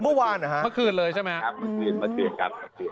เมื่อคืนเลยใช่ไหมครับ